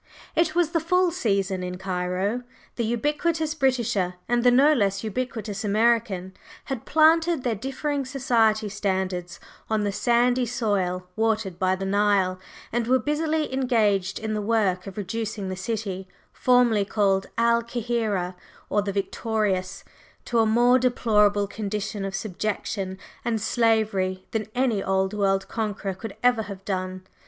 /It/ was the full "season" in Cairo. The ubiquitous Britisher and the no less ubiquitous American had planted their differing "society" standards on the sandy soil watered by the Nile, and were busily engaged in the work of reducing the city, formerly called Al Kahira or The Victorious, to a more deplorable condition of subjection and slavery than any old world conqueror could ever have done.